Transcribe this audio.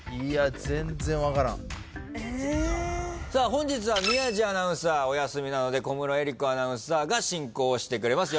本日は宮司アナウンサーお休みなので小室瑛莉子アナウンサーが進行をしてくれます。